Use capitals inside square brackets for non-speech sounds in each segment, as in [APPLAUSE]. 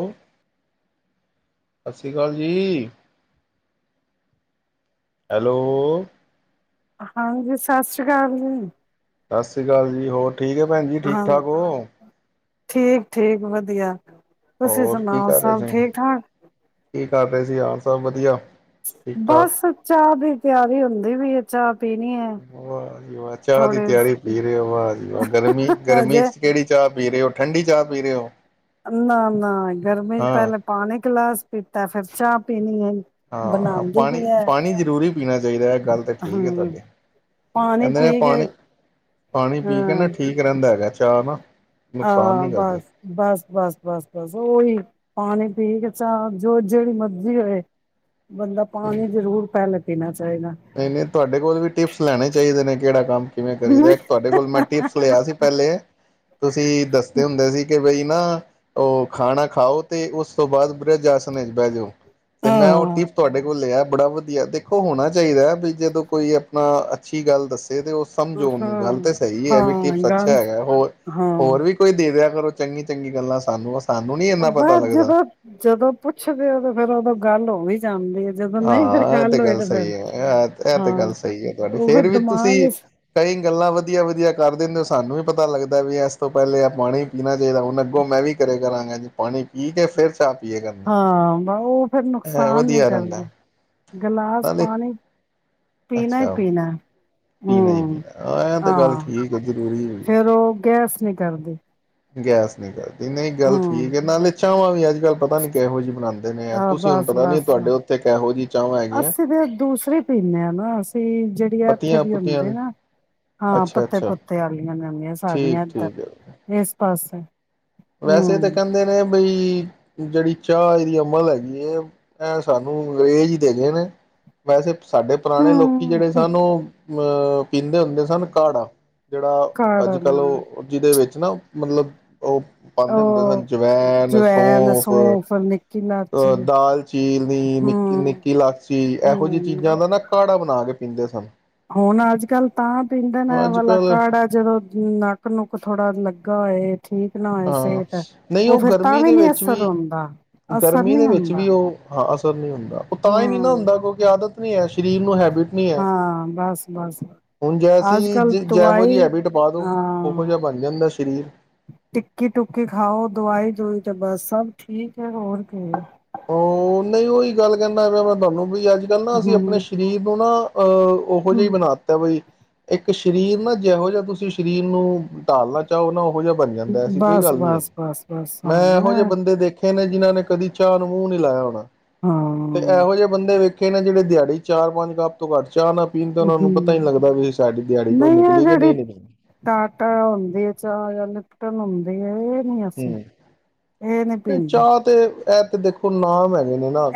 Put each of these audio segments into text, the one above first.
ਹੈ ਸਤਿ ਸ੍ਰੀ ਅਕਾਲ ਜੀ। ਹੈਲੋ। ਹਾਂਜੀ ਸਤਿ ਸ੍ਰੀ ਅਕਾਲ ਜੀ ਸਤਿ ਸ਼੍ਰੀ ਅਕਾਲ ਜੀ ਹੋਰ ਠੀਕ ਹੈ ਭੈਣ ਜੀ ਠੀਕ ਹਾਂ ਠਾਕ ਹੋ ਠੀਕ ਠੀਕ ਵਧੀਆ ਤੁਸੀਂ ਹੋਰ ਸੁਣਾਓ ਸਭ ਠੀਕ ਠਾਕ ਖ ਪਏ ਸੀ ਹਾਂ ਸਭ ਵਧੀਆ ਠੀਕ ਠਾਕ ਬਸੱਚਾ ਦੇ ਕਿਆ ਵੀ ਹੁੰਦੇ ਵੀ ਅ ਚਾ ਵਾਹ ਜ ਵਾਹ ਚਾਹ ਦੀ ਤਿਆਰੀ ਪੀ ਰਹੇ ਹੋ ਵਾਹ ਜ ਵਾਹ ਗਰਮੀ ਗਰਮੀ ਹਜੇ ਚ ਕਿਹੜੀ ਚਾਹ ਪੀ ਰਹੇ ਹੋ ਠੰਢਡੀ ਚਾਹ ਵੀਰੇ ਹੋ ਨਾ ਨਾ ਗਰਮੀ ਚ ਹਾਂ ਪਹਿਲੇ ਪਾਣੀ ਖਲਾਸ ਪੀਤਾ ਫਿਰ ਚਾਹ ਪੀਣੀ ਹੈ ਹਾਂ ਬਣਾਉਂਦੀ ਪਾਣੀ ਵੀ ਹੈ ਪਾਣੀ ਜ਼ਰੂਰੀ ਪੀਣਾ ਚਾਹੀਦਾ ਹੈ ਗੱਲ ਤਾਂ ਠੀਕ ਹੈ ਹਮ ਤੁਹਾਡੀ ਪਾਣੀ ਕਹਿੰਦੇ ਨੇ ਪੀ ਕੇ ਪਾਣੀ ਪਾਣੀ ਪੀ ਕੇ ਨਾ ਹਾਂ ਠੀਕ ਰਹਿੰਦਾ ਹੈਗਾ ਚਾਅ ਨਾ ਨੁਕਸਾਨ ਆਹ ਨਹੀਂ ਬਸ ਕਰਦੇ ਬਸ ਬਸ ਬਸ ਬਸ ਉਹੀ ਪਾਣੀ ਠੀਕ ਹੈ ਚ ਜੋ ਜਿਹੜੀ ਮਰਜ਼ੀ ਹੋਏ ਬੰਦਾ ਪਾਣੀ ਜਰੂਰ ਪੈ ਲਦਾ ਤੇ ਨਹੀਂ ਨਹੀਂ ਤੁਹਾਡੇ ਕੋਲ ਵੀ ਟਿਪਸ ਲੈਣੇ ਚਾਹੀਦੇ ਨੇ ਕਿਹੜਾ ਕੰਮ ਕਿਵੇਂ ਕਰੀਦਾ ਇੱਕ ਤੁਹਾਡੇ ਕੋਲ ਮੈਂ ਟਿਪਸ ਲਿਆ ਸੀ ਪਹਿਲੇ ਤੁਸੀਂ ਦੱਸਦੇ ਹੁੰਦੇ ਸੀ ਕਿ ਬਈ ਨਾ ਉਹ ਖਾਣਾ ਖਾਓ ਤੇ ਉਸ ਤੋਂ ਬਾਅਦ ਬ੍ਰਿਜ ਆਸਣੇ ਚ ਬਹਿ ਜਾਓ ਤੇ ਮੈਂ ਉਹ ਹਾਂ ਟਿਪ ਤੁਹਾਡੇ ਕੋਲ ਲਿਆ ਬੜਾ ਵਧੀਆ ਦੇਖੋ ਹੋੁਣਾ ਚਾਹੀਦਾ ਵੀ ਜਦੋਂ ਕੋਈ ਆਪਣਾ ਅੱਛੀ ਗੱਲ ਦੱਸੇ ਤੇ ਉਹ ਸਮਝੋਨ ਗੱਲ ਹਾਂ, ਤੇ ਸਹੀ ਹੈ ਵੀ ਹਾਂ ਟਿਪਸ ਅੱਛਾ ਗੱਲ ਹੈਗਾ ਹੋਰ ਹਾਂ ਹੋਰ ਵੀ ਕੋਈ ਦੇ ਦ ਕਰੋ ਚੰਗੀ ਚੰਗੀ ਗੱਲਾਂ ਸਾਨੂੰ ਸਾਨੂੰ ਨੀ ਇੰਨਾ ਪਤਾ ਬਸ ਲੱਗਦਾ ਜਦੋਂ ਜਦੋਂ ਪੁੱਛਦੇ ਆ ਤਾਂ ਫੇਰ ਉਹਦਾ ਗੱਲ ਹੋ ਵੀ ਜਾਂਦੀ ਹੈ ਜਦੋਂ ਨਹੀਂ ਫੇਰ ਹਾਂ ਇਹ ਤੇ ਹੋਏ ਗੱਲ ਫੇਰ ਸਹੀ ਹੈ ਇਹ ਇਹ ਤੇ ਹਾਂ ਗੱਲ ਸਹੀ ਹੈ ਤੁਹਾਡੀ ਉਹ ਫੇਰ ਵੀ ਤੁਸੀਂ ਦਿਮਾਗ ਕਈ ਗੱਲਾਂ ਵਧੀਆ ਵਧੀਆ ਕਰ ਦਿੰਦੇ ਹੋ ਸਾਨੂੰ ਵੀ ਪਤਾ ਲੱਗਦਾ ਵੀ ਇਸ ਤੋਂ ਪਹਿਲੇ ਪਾਣੀ ਪੀਣਾ ਚਾਹੀਦਾ ਹੁਣ ਅੱਗੋਂ ਮੈਂ ਵੀ ਕਰ ਕਰਾਂਗਾ ਪਾਣੀ ਪੀ ਕੇ ਫਿਰ ਚਾਹ ਪੀਏ ਕਰਨੀ ਹਾਂ ਬ ਉਹ ਫਿਰ ਹੈ, ਨੁਕਸਾਨ ਨਹੀਂ ਵਧੀਆ ਰਹਿੰਦਾ, ਕਰਦੇ ਗਲਾਸ ਨਾਲੇ ਪਾਣੀ ਪੀਣਾ ਹੀ ਅੱਛਾ, ਪੀਣਾ ਪੀਣਾ ਹੀ ਹਮ ਪੀਣਾ ਐਂ ਤੇ ਗੱਲ ਹਾਂ ਠੀਕ ਹੈ ਜ਼ਰੂਰੀ ਹੋਆ ਫੇਰ ਉਹ ਗੈਸ ਨੀ ਕਰਦੀ ਗੈਸ ਨੀ ਕਰਦੀ ਨਹੀਂ ਗੱਲ ਹਮ ਠੀਕ ਹੈ ਨਾਲੇ ਚਾਵਾਂ ਵੀ ਅੱਜ ਕੱਲ ਪਤਾ ਨੀ ਕਿਹੋ ਜਿਹੀ ਬਣਾਉਂਦੇ ਨੇ ਆ ਆਹ ਤੁਸੀਂ ਹੁਣ ਬਸ ਪਤਾ ਨੀ ਬਸ ਤੁਹਾਡੇ ਉੱਥੇ ਕਿਹੋ ਜਿ ਅਸੀਂ ਤੇ ਦੂਸਰੇ ਪੀਂਦੇ ਹਾਂ ਨਾ ਅਸੀਂ ਜਿਹੜੀ ਆ ਇੱਥੇ ਵੀ ਪੱਤੀਆਂ-ਪੁੱਤੀਆਂ ਹੁੰਦੇ ਨੇ, ਨਾ ਹਾਂ ਪੱਤੇ ਅੱਛਾ-ਅੱਛਾ, ਪੁੱਤੇ ਆਲੀਆ ਵੀ ਆਉਂਦੀਆਂ ਸਾੜੀਆਂ ਇੱਧਰ ਠੀਕ-ਠੀਕ ਹੈ। ਇਸ ਪਾਸ ਹੈ। ਵੈਸੇ ਤਾਂ ਕਹਿੰਦੇ ਨੇ ਬਈ ਜਿਹੜੀ ਚਾਹ ਇਹਦੀ ਅਮਲ ਹੈਗੀ ਹੈ ਇਹ ਸਾਨੂੰ ਅੰਗਰੇਜ਼ ਹੀ ਦੇ ਗਏ ਨੇ ਵੈਸੇ ਸਾਡੇ ਪੁਰਾਣੇ ਲੋਕੀ ਹੂੰ, ਜਿਹੜੇ ਹੂੰ ਸਨ ਉਹ ਅ ਪੀਂਦੇ ਹੁੰਦੇ ਸਨ ਕਾੜਾ ਜਿਹੜਾ ਖਾ ਅੱਜ ਡਾਲਨਾ ਕੱਲ੍ਹ ਮੈਂ ਉਹ ਜਿਹਦੇ ਵਿੱਚ ਜ ਨਾ ਮਤਲਬ ਉਹ ਪਾਉਦੇ ਹੁੰਦੇ ਉਹ ਸਨ ਜਵੈਨ ਜਵੈਨ, ਸੌਫ ਸੌਂਫ, ਨਿੱਕੀ ਇਲਾਚੀ ਅਹ ਦਾਲ ਚੀਲਲੀ ਨਿੱ ਹੂੰ, ਨਿੱਕੀ ਲਾਚੀ ਇਹੋ ਜਿਹੀ ਚੀਜ਼ਾਂ ਹੂੰ ਦਾ ਨਾ ਕਾੜਾ ਬਣਾ ਕੇ ਪੀਂਦੇ ਸਨ ਹ [UNINTELLIGIBLE] ਹੁਣ ਅੱਜ ਕੱਲ ਤਾਂ ਪੀਂਦੇ ਨਾ ਅੱਜ ਵਾਲਾ ਕੱਲ੍ਹ ਕਾੜਾ ਜਦੋਂ ਨੱਕ ਨੁੱਕ ਥੋੜਾ ਲੱ ਗਾ ਹੋਏ ਠੀਕ ਨਾ ਹੋਏ ਹਾਂ ਸਿਹਤ ਨਹੀਂ ਉਹ ਫਿਰ ਤਾਂ ਗਰਮੀ ਵੀ ਦੇ ਨੀ ਵਿੱਚ ਅਸਰ ਵੀ ਹੁੰਦਾ ਅਸਰ ਨਹੀ ਹੁੰਦਾ ਸ ਨਿਯਮ [UNINTELLIGIBLE] ਉਹ ਤਾਂ ਹੀ ਨਹੀਂ ਨਾ ਹੂੰ, ਹੁੰਦਾ ਕਿਉਂਕਿ ਆਦਤ ਨਹੀਂ ਹੈ ਸਰੀਰ ਨੂੰ ਹੈਬਿਟ ਨਹੀਂ ਹੈ ਹਾਂ ਬਸ-ਬਸ ਹੁਣ ਜੈਸੀ ਅੱਜ-ਕੱਲ ਜ ਜਿੋ ਦਵਾਈ ਜਿਹੀ ਹੈਬਿਟ ਪਾ ਦਉ ਉਹੋ ਹਾਂ ਜਿਹਾ ਬਣ ਜਾਂਦਾ ਸਰੀਰ ਟਿੱਕੀ ਟੁਕੀ ਖਾਓ ਦਵਾਈ ਦੁਵਾਈ ਚ ਬਸ ਸਬ ਠੀਕ ਹੈ ਹੋਰ ਕੀ ਹ ਨਹੀਂ ਉਹੀ ਗੱਲ ਕਹਿੰਦਾ ਪਿਆ ਮੈਂ ਤੁਹਾਨੂੰ ਬਈ ਅੱਜ ਕੱਲ੍ਹ ਨਾ ਅਸੀਂ ਆਪਣੇ ਹੂੰ, ਸਰੀਰ ਨੂੰ ਨਾ ਆ ਉਹੋ ਜਾ ਈ ਹੂੰ ਬਣਾਤਾ ਬਈ, ਇੱਕ ਇੱਕ ਸਰੀਰ ਨਾ ਜਿਹੋ ਜਿਹਾ ਤੁਸੀਂ ਸਰੀਰ ਨੂੰ ਟਾਲਣਾ ਚਾਹੋ ਨਾ ਇਹੋ ਜਿਹਾ ਬਣ ਜਾਂਦਾ ਐਸੀ ਕੋਈ ਬਸ ਗੱਲ ਨਹੀਂੀ ਹੈਗੀ ਬਸ ਬਸ ਬਸ ਹਾਂ ਮੈਂ ਇਹੋ ਜਿਹੇ ਬੰਦੇ ਦੇਖੇ ਨੇ ਜਿਹਨ੍ਹਾਂ ਨੇ ਕਦੀ ਚਾ ਨੂੰ ਮੂੰਹ ਨਈ ਲਾਇਆ ਹੋਣਾ ਹਾਂ ਤੇ ਇਹੋ ਜਿਹੇ ਬੰਦੇ ਵ ਜਿਹੜੇ ਦਿਹਾੜੀ ਚਾਰ ਪੰਜ ਗੱ ਤੋਂ ਘੱਟ ਚਾਹ ਨਾ ਪੀਣ ਤੇ ਹਮ ਉਹਨਾਂ ਨੂੰ ਪਤਾ ਹੀ ਨਹੀਂ ਲੱਗਦਾ ਵੀ ਸਾਡੀ ਦਿਹਾੜੀ ਕੋਈ ਨਹੀਂ ਆ ਨਿਕਲੀ ਕਿ ਜਿਹੜੀ ਨਹੀਂ ਨਿਕਲੀ ਟਾਟਾ ਹੁੰਦੀ ਆ ਚਾਹ ਵਾਲੀ [UNINTELLIGIBLE] ਹੁੰਦੇ ਹੂੰ, ਨਹੀਂ ਪੀਂਦੇ ਚਾਹ ਤੇ। ਇਹ ਤੇ ਦੇਖੋ ਨਾਮ ਹੈ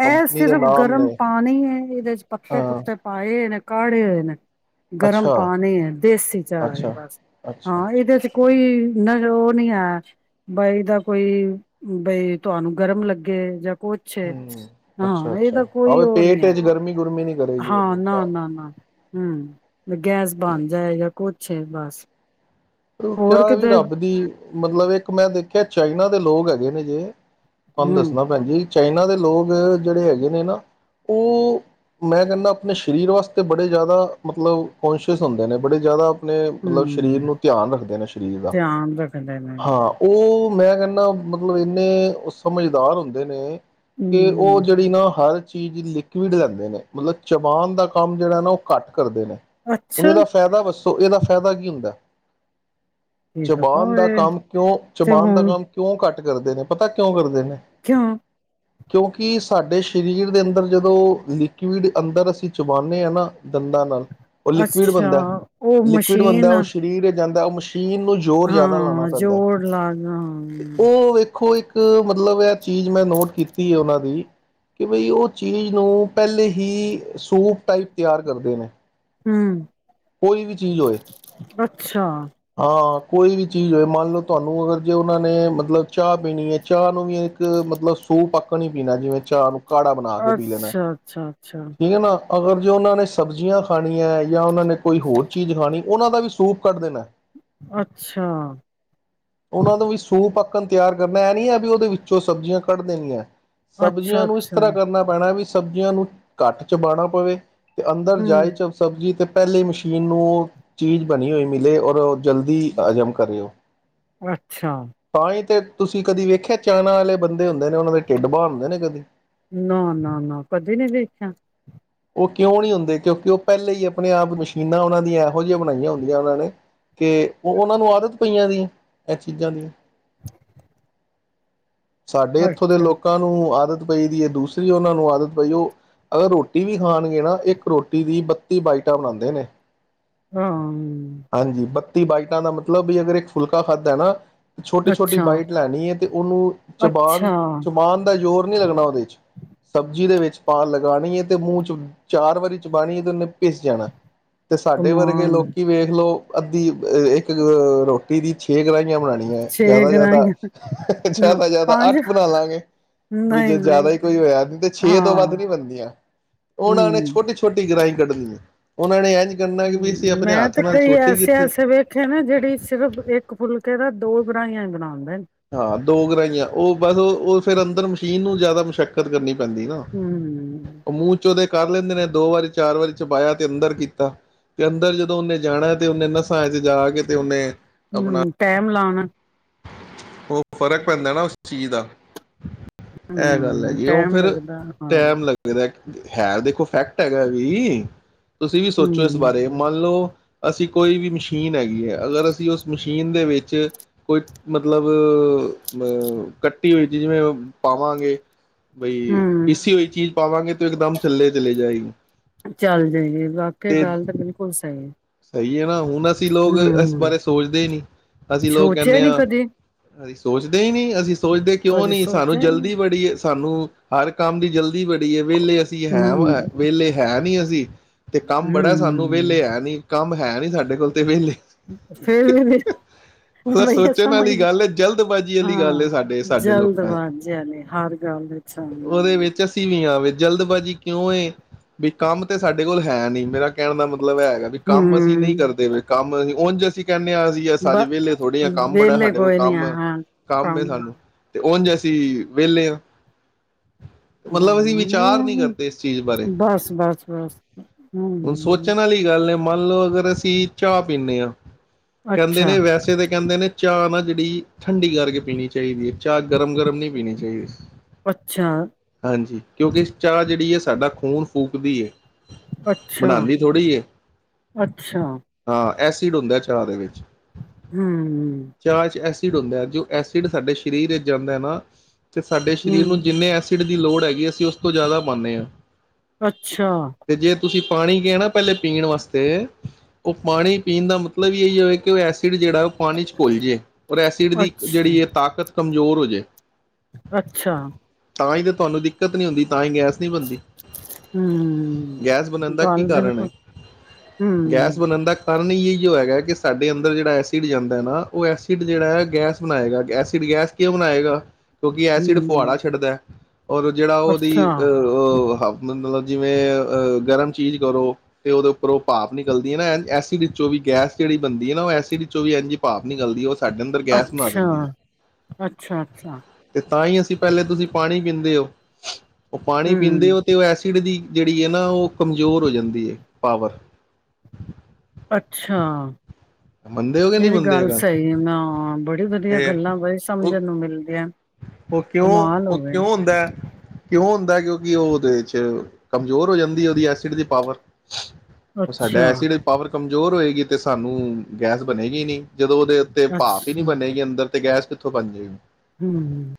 ਇਹ ਸਿਰਫ ਗਰਮ ਪਾਣੀ ਹੈ ਇਹਦੇ ਚ ਪੱਤੇ ਹਾਂ ਪੁੱਤੇ ਪਾਏ ਇਹਨੇ ਕਾੜੇ ਹੋਏ ਨੇ। ਗਰਮ ਅੱਛਾ ਪਾਣੀ ਹੈ ਦੇਸੀ ਚਾਹ ਹੈ ਅੱਛਾ ਬਸ ਅੱਛਾ ਹਾਂ ਅੱਛਾ ਇਹਦੇ ਚ ਕੋਈ ਨ ਉਹ ਨੀ ਹੈ ਬਾਈ ਤਾਂ ਕੋਈ ਬਈ ਤੁਹਾਨੂੰ ਗਰਮ ਲੱਗੇ ਜਾਂ ਕੁਛ। ਹੂੰ ਅੱਛਾ ਹਾਂ ਅੱਛਾ ਇਹਦਾ ਕੋਈ ਆਹੋ ਉਹ ਤੇਜ ਨੀ ਹੈ ਤੁੱਜ ਗਰਮੀ ਗੁਰਮੀ ਨ ਹਾਂ ਨਾ ਨਾ ਨਾ ਹੂੰ ਗੈਸ ਬਣ ਜਾਏ ਜਾਂ ਕੁਛ। ਬਸ। ਕਿਆ ਹੋਰ ਵੀ ਕਿਤੇ ਰੱਬ ਦੀ ਮਤਲਬ ਇੱਕ ਮੈਂ ਦੇਖਿਆ ਚਾਈਨਾ ਲੋਕ ਹੈਗੇ ਨੇ ਜੇ। ਤੁਹਾਨੂੰ ਹੂੰ ਦੱਸਣਾ ਭੈਣ ਜੀ ਚਾਈਨਾ ਦੇ ਲੋਕ ਜਿਹੜੇ ਹੈਗੇ ਨੇ ਨਾ ਉਹ ਮੈਂ ਕਹਿੰਦਾ ਆਪਣੇ ਸਰੀਰ ਵਾਸਤੇ ਬੜੇ ਜ਼ਿਆਦਾ ਮਤਲਬ ਕੋਂਸ਼ੀਅਸ ਹੁੰਦੇ ਨੇ ਬੜੇ ਜ਼ਿਆਦਾ ਆਪਣੇ ਮਤਲਬ ਸਰੀਰ ਹੂੰ ਨੂੰ। ਧਿਆਨ ਰੱਖਦੇ ਨੇ ਸਰੀਰ ਦਾ ਧਿਆਨ ਰੱਖਦੇ ਨੇ ਹਾਂ ਉਹ ਮੈਂ ਕਹਿੰਦਾ ਮਤਲਬ ਇੰਨੇ ਸਮਝਦਾਰ ਹੁੰਦੇ ਨੇ ਕਿ ਉਹ ਹੂੰ ਜਿਹੜੀ ਨਾ ਹਰ ਚੀਜ਼ ਲਿਕੁਵਿਡ ਲੈਂਦੇ ਨੇ ਮਤਲਬ ਚਬਾਨ ਦਾ ਕੰਮ ਜਿਹੜਾ ਨਾ ਉਹ ਘੱਟ ਕਰਦੇ ਨੇ ਹੁਣ ਅੱਛਾ ਇਹਦਾ ਫਾਇਦਾ ਵੱਸੋ ਇਹਦਾ ਫਾਇਦਾ ਕੀ ਹੁੰਦਾ। ਕੀ ਪਤਾ ਚਬਾਨ ਦਾ ਹੋਏ ਕੰਮ ਕਿਉਂ ਤੇ ਚਬਾਨ ਦਾ ਹੁਣ ਕੰਮ ਕਿਉਂ ਘੱਟ ਕਰਦੇ ਨੇ ਪਤਾ ਕਿਉਂ ਕਰਦੇ ਨੇ ਕਿਉਂ। ਕਿਉਂਕਿ ਸਾਡੇ ਸਰੀਰ ਦੇ ਅੰਦਰ ਜਦੋਂ ਲਿਕੁਿਡ ਅੰਦਰ ਅਸੀਂ ਚਬਾਣੇ ਆ ਨਾ। ਦੰਦਾਂ ਨਾਲ ਉਹ ਲਿਕੁਿਡ ਅੱਛਾ ਬਣਦਾ ਉਹ ਲਿਕੁਿਡ ਬਣਦਾ ਮਸ਼ੀਨ ਉਹ ਸਰੀਰ ਜਾਂਦਾ ਮੁਸ਼ ਚੀਨ ਨੂੰ ਜ਼ੋਰ ਜ਼ਿਆਦਾ ਲਾਉਣਾ ਹਾਂ ਪੈਂਦਾ ਜੋੜ ਲਾ ਤੇ ਉਹ ਵੇਖੋ ਇੱਕ ਮਤਲਬ ਐ। ਚੀਜ਼ ਮੈਂ ਨੋਟ ਕੀਤੀ ਹੈ ਉਹਨਾਂ ਦੀ ਕੀ ਬਈ ਉਹ ਚੀਜ਼ ਨੂੰ ਪਹਿਲੇ ਹੀ ਸੂਪ ਟਾਈਪ ਤਿਆਰ ਕਰਦੇ ਨੇ। ਹੂੰ। ਕੋਈ ਵੀ ਚੀਜ਼ ਹੋਏ। ਅੱਛਾ ਹਾਂ, ਕੋਈ ਵੀ ਚੀਜ਼ ਹੋਵੇ। ਮੰਨ ਲੋ ਤੁਹਾਨੂੰ ਅਗਰ ਜੇ। ਉਹਨਾਂ ਨੇ ਮਤਲਬ ਚਾਹ ਪੀਣੀ ਹੈ ਚਾਹ ਨੂੰ ਵੀ ਇੱਕ ਮਤਲਬ ਸੂ ਪੱਕਣ ਹੀ ਪੀਣਾ ਜਿਵੇਂ ਚਾਹ ਨੂੰ ਕਾੜਾ ਬਣਾ ਕੇ ਪੀ ਲੈਣਾ ਅੱਛਾ ਅੱਛਾ ਅੱਛਾ ਠੀਕ ਹੈ ਨਾ ਅਗਰ ਜੋੇ ਉਹਨਾਂ ਨੇ ਸਬਜ਼ੀਆਂ ਖਾਣੀਆਂ ਜਾਂ ਉਹਨਾਂ ਨੇ ਕੋਈ ਹੋਰ ਚੀਜ਼ ਖਾਣੀ ਉਹਨਾਂ ਦਾ ਵੀ ਸੂਪ ਕੱਢ ਦੇਣਾ ਅੱਛਾ ਉਹਨਾ ਨੂੰ ਵੀ ਸੂ ਪੱਕਣ ਤਿਆਰ ਕਰਨਾ ਇਹ ਨੀ ਹੈ ਵੀ ਉਹਦੇ ਵਿੱਚੋਂ ਸਬਜ਼ੀਆਂ ਕੱਢ ਦੇਣੀਆਂ ਅੱਛਾ ਸਬਜ਼ੀਆਂ ਨੂੰ ਇਸ ਅੱਛਾ ਤਰ੍ਹਾਂ ਕਰਨਾ ਪੈਣਾ ਵੀ ਸਬਜ਼ੀਆਂ ਨੂੰ ਘੱਟ ਚਬਉਣਾ ਪਵੇ ਤੇ ਅੰਦਰ ਜਾਏ ਹੂੰ ਚ ਸਬਜ਼ੀ ਤੇ ਪਹਿਲੇ ਮਸ਼ੀਨ ਨੂੰ ਚੀਜ਼ ਬਣੀ ਹੋਈ ਮਿਲੇ ਔਰ ਜਲਦੀ ਹਜ਼ਮ ਕਰਿਓ ਅੱਛਾ ਤਾਂ ਹੀ ਤੇ ਤੁਸੀਂ ਕਦੀ ਵੇਖਿਆ ਚਾਨਾ ਵਾਲੇ ਬੰਦੇ ਹੁੰਦੇ ਨੇ ਉਹਨਾਂ ਦੇ ਢਿੱਡ ਬਾਹ ਹੁੰਦੇ ਨੇ ਕਦੀ ਨਾ ਨਾ ਨਾ ਕਦੇ ਨਹੀਂੀ ਦੇਖਿਆ ਉਹ ਕਿਉਂ ਨਹੀਂ ਹੁੰਦੇ ਕਿਉਂਕਿ ਉਹ ਪਹਿਲੇਾਂ ਹੀ ਆਪਣੇ ਆਪ ਮਸ਼ੀਨਾਂ ਉਹਨਾਂ ਦੀਆਂ ਇਹੋ ਜਿਹੀਆਂ ਬਣਾਈਆਂ ਹੁੰਦੀਆਂ ਉਹਨਾਂ ਨੇ ਕਿ ਉਹ ਉਹਨਾਂ ਨੂੰ ਆਦਤ ਪਈਆਂ ਦੀ ਇਹ ਚੀਜ਼ਾਂ ਦੀਆਂ [UNINTELLIGIBLE] ਸਾਡੇ ਇੱਥੋਂ ਦੇ ਅੱਛਾ ਲੋਕਾਂ ਨੂੰ ਆਦਤ ਪਈ ਦੀ ਹੈ ਦੂਸਰੀ ਉਹਨਾਂ ਨੂੰ ਆਦਤ ਪਈ ਉਹ ਅਗਰ ਰੋਟੀ ਰੋਟੀ ਵੀ ਖਾਣਗੇ ਨਾ ਇੱਕ ਰੋਟੀ ਦੀ ਬੱਤੀ ਬਾਈਟਾਂ ਬਣਾਉਂਦੇ ਨੇ ਹਾਂ ਹਾਂਜੀ ਬੱਤੀ ਬਾਈਟਾਂ ਦਾ ਮਤਲਬ ਵੀ ਅਗਰ ਇੱਕ ਫੁਲਕਾ ਖਾਧਾ ਨਾ ਛੋਟੀ ਛੋਟੀ ਅੱਛਾ, ਬਾਈਟ ਲੈਣੀ ਹੈ ਤੇ ਉਹਨੂੰ ਚਬਾਾਨ ਅੱਛਾ ਚਬਾਉਣ ਦਾ ਜ਼ੋਰ ਨਹੀਂ ਲੱਗਣਾ ਉਹਦੇ ' ਸਬਜ਼ੀ ਦੇ ਵਿੱਚ ਪਾ ਲਗਾਣੀ ਹੈ ਤੇ ਮੂੰਹ ਚ ਚਾਰ ਵਾਰੀ ਚਬਾਣੀ ਤੇ ਉਹਨੇ ਭਿਸ ਜਾਣਾ ਤੇ ਸਾਡੇ ਵਰਗੇ ਕਮਾਲ ਲੋਕੀ ਵੇਖ ਲਓ ਅੱਧੀ ਇੱਕ ਰੋਟੀ ਦੀ ਛੇ ਕੜਹੀਆਂ ਬਣਾਉਣੀਆਂ ਛੇ ਜ਼ਿਆਦਾ ਜ਼ਿਆਦਾ ਗਰਾਈਆਂ ਜ਼ਿਆਦਾ ਜ਼ਿਆਦਾ ਪੰਜ ਅੱਠ ਬਣਾ ਲਾਂਗੇ ਵੀ ਜੇ ਜ਼ਿਆਦਾ ਨਹੀਂ-ਨਹੀਂ ਹੀ ਕੋਈ ਹੋਇਆ ਨਹੀਂ ਤੇ ਛੇ ਤੋਂ ਵੱਧ ਹਾਂ ਨੀ ਬਣਦੀਆਂ ਹੂੰ। ਉਹਨਾਂ ਨੇ ਹੂੰ ਛੋਟੀ ਛੋਟੀ ਕਿਹੀਂ ਕੱਢਣੀ ਹੈ ਉਹਨਾਂ ਨੇ ਹੈ ਨੀ ਹਮ ਮੈਂ ਤੇ ਕਈ ਐਸੇ ਐਸੇ ਵੇਖੇ ਨਾ ਜਿਹੜੀ ਸਿਰਫ ਇੱਕ ਫੁਲਕੇ ਦਾ ਉਹ ਬਣਾਈਆਂ ਗਣਾ ਨੂੰ ਹਾਂ ਦੋ ਗਰਾਹੀਆਂ ਉਹ ਬਸ ਉਹ ਉਹ ਫੇਿਰ ਅੰਦਰ ਮਸ਼ੀਨ ਨੂੰ ਜ਼ਿਆਦਾ ਮੁਸ਼ੱਕਤ ਕਰਨੀ ਪੈਂਦੀ ਨਾ ਹੂੰ। ਉਹ ਮੂੰਹ ਚ ਉਹਦੇ ਕਰ ਲੈਂਦੇ ਨੇ ਦੋ ਵਾਰੀ ਚਾਰ ਵਾਰੀ ਚਪਾਇਆ ਤੇ ਅੰਦਰ ਕੀਤਾ ਤੇ ਅੰਦਰ ਜਦੋਂ ਉਹਨੇ ਜਾਣਾ ਤੇ ਉਹਨੇ ਨਸਾਏ ਤੇ ਜਾ ਕੇ ਤੇ ਉਹਨੇ ਆਪਣਾ ਹਮ ਟਾਈਮ ਲਾਉਣਾ ਉਹ ਫ਼ਰਕ ਪੈਂਦਾ ਨਾ ਉਸ ਚੀਜ਼ ਦਾ ਇਹ ਗੱਲ ਹੈ ਹੂੰ ਜੀ ਉਹ ਟੈਮ ਫਿਰ ਲੱਗਦਾ ਹਾਂ ਹੂੰ। ਟੈਮ ਲੱਗਦਾ ਹੈਰ ਦੇਖੋ ਫੈਕਟ ਹੈਗਾ ਵੀ ਤੁਸੀਂ ਵੀ ਸੋਚੋ ਇਸ ਬਾਰੇ ਮੰਨ ਲਓ ਅਸੀਂ ਕੋਈ ਵੀ ਮਸ਼ੀਨ ਹੈਗੀ ਹੈ ਅਗਰ ਅਸੀਂ ਉਸ ਮਸ਼ੀਨ ਦੇ ਵਿੱਚ ਕੋਈ ਮਤਲਬ ਅਹ ਕੱਟੀ ਹੋਈ ਜ ਜਿਵੇਂ ਪਾਵਾਂਗੇ ਬਈ ਹੂੰ ਇਸਸੀ ਹੋਈ ਚੀਜ਼ ਪਾਵਾਂਗੇ ਤ ਇਕਦਮ ਚੱਲੇ ਚਲੇ ਜਾਏਗੀ ਚੱਲ ਜਾਏਗੀ ਵਾਕਈ ਤੇ ਗੱਲ ਤਾਂ ਬਿਲਕੁਲ ਸਹੀ ਹੈ। ਸਹੀ ਹੈ ਨਾ ਹੁਣ ਅਸੀਂ ਲੋਕ ਇਸ ਹੂੰ। ਬਾਰੇ ਸੋਚਦੇ ਹੀ ਨਹੀਂੀ ਅਸੀਂ ਲੋਕ ਸੋਚਿਆ ਕਹਿੰਦੇ ਨੀ ਹਾਂ ਕਦੀ, ਅਸੀਂ ਸੋਚਦੇ ਹੀ ਨਹੀਂੀ ਅਸੀਂ ਸੋਚਦੇ ਕਿਉਂ ਕਦੇ ਨੀ ਸਾਨੂੰ ਸੋਚਿਆ ਹੀ ਨੀ ਜਲਦੀ ਬੜੀ ਹੈ ਸਾਨੂੰ ਹਰ ਕੰਮ ਦੀ ਜਲਦੀ ਬੜੀ ਹੈ ਵਿਹਲੇ ਅਸੀਂ ਹੈ ਵ ਹੂੰ-ਹੂੰ ਵਹਲੇ ਹੈ ਨੀ ਅਸੀਂ ਜੀ ਤੇ ਕੰਮ ਬੜਾ ਸਾਨੂੰ ਵਿਹਲੇ ਹੈ ਨੀ ਕੰਮ ਹੈ ਨੀ ਸਾਡੇ ਕੋਲ ਤੇ ਵਿਹਲੇ ਫੇਿਰ ਵੀ ਮਤਲਬ ਬਈਆ ਸੋਚਣ ਵਾਲੀ ਗੱਲ ਹੈ ਜਲਦਬਾਜ਼ੀ ਵਾਲੀ ਗੱਲ ਸਾਡੇ ਸਾਡੇ ਲੋਕਾਂ ਜਲਦਬਾਜ਼ੀ ਵਾਲੇ ਹਰ ਗੱਲ ਵਿੱਚ ਉਹਦੇ ਸਾਨੂੰ ਵਿੱਚ ਅਸੀਂ ਵੀ ਆਵੇ ਜਲਦਬਾਜ਼ੀ ਕਿਉਂ ਵੀ ਕੰਮ ਤੇ ਸਾਡੇ ਕੋਲ ਹੈ ਨੀ ਮੇਰਾ ਕਹਿਣ ਦਾ ਮਤਲਬ ਮਤਲਬ ਹੈਗਾ ਵੀ ਕੰਮ ਅਸੀਂ ਨਹੀਂ ਹੂੰ ਕਰਦੇ ਪ ਕੰਮ ਅਸੀਂ ਉਝ ਅਸੀ ਕਹਿੰਦੇਾਂ ਅਸੀ ਸਾਰੀ ਵਹੇਲੇ ਥੋੜ੍ਹੀਆਂ ਵਿਹਲੇ ਕੋਈ ਨੀ ਆਾਂ ਕ ਸਾਨੂੰ ਤੇ ਉਝ ਅਸੀਂ ਵਿਹਲੇ ਹਾਂ ਮਤਲਬ ਅਸੀਂ ਵਿਚਾਰ ਨਹੀਂ ਹ ਕਰਦੇ ਇਸ ਚੀਜ਼ ਬਾਰੇ ਬਸ ਬਸ ਬਸ ਹਮ ਹੁਣ ਹ ਸੋਚਣ ਵਾਲੀ ਗੱਲ ਹੈ ਮੰਨ ਲਓ ਅਗਰ ਅਸੀਂ ਚਾਹ ਪੀਂਦੇ ਹਾਂ ਕਹਿੰਦੇ ਅੱਛਾ ਨੇ ਵੈਸੇ ਤਾਂ ਕਹਿੰਦੇ ਨੇ ਚਾਹ ਨਾ ਜਿਹੜੀ ਠੰਡੀ ਕਰਕੇ ਪੀਣੀ ਚਾਹੀਦੀ ਹੈ ਚਾਹ ਗਰਮ ਗਰਮ ਨਹੀਂ ਪੀਣੀ ਚਾਹੀਦੀ ਅੱਛਾ ਹਾਂਜੀ ਕਿਉਂਕਿ ਚਾਹ ਜਿਹੜੀ ਹੈ ਸਾਡਾ ਖੂਨ ਫੂਕਦੀ ਹੈ ਅੱਛਾ ਬਣਾਉਂਦੀ ਥੋੜ੍ਹੀ ਹੈ ਅੱਛਾ ਹਾਂ ਐਸਿਡ ਹੁੰਦਾ ਚਾਹ ਦੇ ਵਿੱਚ ਹੂੰ ਚਾਜ ਐ ਹੁੰ ਜੋ ਐਸਿਡ ਸਾਡੇ ਸਰੀਰ ਵਿੱਚ ਜਾਂਦਾ ਨਾ ਤੇ ਸਾਡੇ ਸਰੀਰ ਹੂੰ ਨੂੰ ਜਿੰਨੇ ਐਸ਼ ਦੀ ਲੋੜ ਹੈਗੀ ਅਸੀਂ ਉਸ ਤੋਂ ਜ਼ਿਆਦਾ ਪਾੰਨੇ ਆ। ਅੱਛਾ। ਪਾਣੀ ਗਿਆ ਨਾ ਪਹਿਲੇ ਪੀਣ ਵਾਸਤੇ ਉਹ ਪਾਣੀ ਪੀਣ ਦਾ ਮਤਲਬ ਇਹੀ ਹੋਵੇ ਕਿ ਉਹ ਐਸ ਸੜਿਹੜਾ ਉਹ ਪਾਣੀਚ ਭੁੱਲ ਜੇ ਔਰ ਐਸਿਡ ਦੀ ਅੱਛਾ ਜਿਹੜੀ ਹੈ ਤਾਕਤ ਜ਼ੋਰ ਹੋਜ ਅੱਛਾ ਤਾਂ ਹੀ ਤੇ ਤੁਹਾਨੂੰ ਦਿੱਕਤ ਨਹੀਂੀ ਹੁੰਦੀ ਤਾਂ ਹੀ ਗੈਸ ਨਹੀਂ ਬਣਦੀ ਹੂੰ ਗੈਸ ਬਣਨ ਦਾ ਕੀ ਗੱਲ ਕਾਰਨ ਹੈ ਬਿਲਕੁਲ ਗੈਸ ਹੂੰ ਬਣਨ ਦਾ ਕਾਰਨ ਹੀ ਹੈ ਹੈਗਾ ਕਿ ਸਾਡੇ ਅੰਦਰ ਜਿਹੜਾ ਐਸਿਡ ਜਾਂਦਾ ਹੈ ਨਾ ਉਹ ਐਸਿਡ ਜਿਹੜਾ ਹੈ ਗੈਸ ਬਣਾਏਗਾ ਐਸਿਡ ਗੈਸ ਕਿਉਂ ਬਣਾਏਗਾ ਕਿਉਂਕਿ ਐਸਿਡ ਫੁਹੜਾ ਹੂੰ ਛੱਡਦਾ ਹੈ ਔਰ ਜਿਹੜਾ ਉਹਦੀ ਅੱਛਾ ਮਤਲਬ ਜਿਵੇਂ ਅਹ ਗਰਮ ਚੀਜ਼ ਕਰੋ ਤੇ ਉਹਦੇ ਉੱਪਰ ਉਹ ਪਾਪ ਨਿਕਲਦੀ ਹੈ ਨਾ ਐਸਿਡ ਵਿੱਚੋਂ ਵੀ ਗੈਸ ਜਿਹੜੀ ਬਣਦੀ ਹੈ ਨਾ ਉਹ ਐਸਿਡ ਚੋਂ ਵੀ ਐ ਜੀ ਪਾਪ ਨਿਕਲਦੀ ਉਹ ਸਾਡੇ ਅੰਦਰ ਗੈਸ ਬਣਾ ਅੱਛਾ ਦਿੰਦੀ ਹੈ ਅੱਛਾ ਅੱਛਾ ਤੇ ਤਾਂ ਹੀ ਅਸੀਂ ਪਹਿਲੇ ਤੁਸੀਂ ਪਾਣੀ ਪੀਂਦੇ ਹੋ ਉਹ ਪਾਣੀ ਹੂੰ ਪੀਂਦੇ ਹੋ ਤੇ ਉਹ ਐ ਸ ਦੀ ਜਿਹੜੀ ਹੈ ਨਾ ਉਹ ਕਮਜ਼ੋਰ ਹੋ ਜਾਂਦੀ ਹੈ ਪਾਵਰ ਅੱਛਾ ਮੰਨਦੇ ਹੋ ਕਿ ਇਹ ਨਹੀਂ ਵੀ ਮੰਨਦੇ ਗੱਲ ਸਹੀ ਹੈ ਮੈਂ ਬੜੀ ਵਧੀਆ ਤੇ ਗੱਲਾਂ ਬ ਉਹ ਸਮਝਣ ਨੂੰ ਮਿਲਦੀਆਂ ਉਹ ਕਿਉਂ ਕਮਾਲ ਹੋ ਉਹ ਗਏ ਕਿਉਂ ਹੁੰਦਾ ਹੈ ਕਿਉਂ ਹੁੰਦਾ ਕਿਉਂਕਿ ਉਹਦੇ ਚ ਕਮਜ਼ੋਰ ਹੋ ਜਾਂਦੀ ਉਹਦੀ ਐਸਿਡ ਦੀ ਪਾਵਰ ਉਹ ਸਾਡਾ ਅੱਛਾ ਐਸਿਡ ਪਾਵਰ ਕਮਜ਼ੋਰ ਹੋਏਗੀ ਅਤੇ ਸਾਨੂੰ ਗੈਸ ਬਣੇਗੀ ਨਹੀਂ ਜਦੋਂ ਉਹਦੇ ਉੱਤੇ ਭਾਪ ਹੀ ਅੱਛਾ ਨਹੀਂੀ ਬਣੇਗੀ ਅੰਦਰ ਤੇ ਗੈਸ ਕਿੱਥੋਂ ਬਣ ਜਾਏਗੀ ਹਮ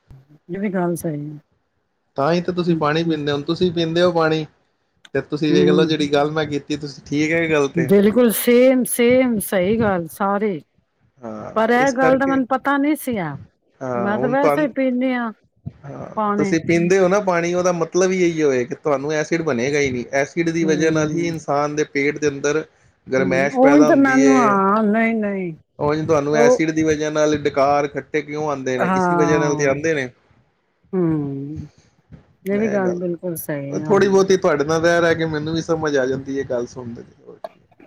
ਇਹ ਵੀ ਗੱਲ ਸਹੀ ਤਾਂ ਹੀ ਤਾਂ ਤੁਸੀਂ ਹਮ ਪਾਣੀ ਪੀਂਦੇ ਹੋੁ ਤੁਸੀਂ ਪੀਂਦੇ ਹੋ ਪਾਣੀ ਤੇ ਤੁਸੀਂ ਵੇਖ ਲਓ ਹਮ ਜਿਹੜੀ ਗੱਲ ਮੈਂ ਕੀਤੀ ਤੁਸੀਂ ਠੀਕ ਹੈ ਗੱਲ ਤੇ ਬਿਲਕੁਲ ਸੇਮ ਸੇਮ ਸਹੀ ਗੱਲ ਸਾਰੇ ਪਰ ਹਾਂ ਇਹ ਇਸ ਗੱਲ ਦਾ ਕਰਕੇ ਮੈਨੂੰ ਪਤਾ ਨਹੀਂ ਸੀ ਆ ਹਾਂ ਮੈਂ ਤਾਂ ਹੁਣ ਵੈਸੇ ਤੁਹਾਨ ਹੀ ਪੀਂਦੀ ਹਾਂ ਹਾਂ ਪਾਣੀ ਤੁਸੀਂ ਪੀਂਦੇ ਹੋ ਨਾ ਪਾਣੀ ਉਹਦਾ ਮਤਲਬ ਹੀ ਇਹੀ ਹੋਏ ਕਿ ਤੁਹਾਨੂੰ ਐਸਿਡ ਬਣੇਗਾ ਹੀ ਨਹੀਂ ਐਸਿਡ ਦੀ ਵਜ੍ਹਾ ਨਾਲ ਹੀ ਹਮ ਇਨਸਾਨ ਦੇ ਪੇਟ ਦੇ ਅੰਦਰ ਹਮ, ਗਰਮਾਇਸ਼ ਉਹੀ ਪੈਦਾ ਤਾਂ ਹੁੰਦੀ ਮੈਨੂੰ ਹੈ ਹਾਂ ਨਹੀਂ ਨਹੀਂ ਤੁਹਾਨੂੰ ਉਹ ਐਸਿਡ ਦੀ ਵਜਾ ਨਾਲ ਡਿਕਾਰ ਖੱਟ ਤੇ ਕਿਉਂ ਆਂਦੇ ਨੇ ਇਸੀ ਵਜ੍ਹਾ ਨਾਲ ਹਾਂ ਤੇ ਆਂਦੇ ਨੇ, ਹਮ ਇਹ ਵੀ ਮੈਂ ਗੱਲ, ਬਿਲਕੁਲ ਸਹੀ ਥੋੜ੍ਹੀ ਹਾਂ ਬੋਤੀ ਤੁਹਾਡੇ ਨਾਲ ਰੇਹ ਰੇਹ ਕੇ ਮੈਨੂੰ ਵੀ ਸਮਝ ਆ ਜਾਂਦੀ ਏ ਗੱਲ ਸੁਣਦੇ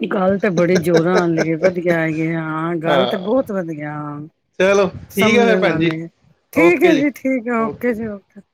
ਨੀ ਗੱਲ ਤੇ ਬੜੀ ਜ਼ੋਰਾ ਆਲੀ ਏ, ਵਧੀਆ ਹੇਗੀ ਏ, ਹਾਂ। ਗੱਲ ਤੇ ਹਾਂ ਬਹੁਤ ਵਧੀਆ, ਆਂ। ਚਲੋ ਠੀਕ ਹੈ ਫਿਰ ਸਮਝਨ ਭੈਣ ਨਾਲ ਜੀ ਏ। ਠੀਕ ਏ ਜੀ, ਠੀਕ ਏ, ਓਕੇ ਜੀ, ਓਕੇ। [INAUDIBLE]